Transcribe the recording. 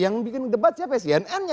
yang bikin debat siapa ya cnn nya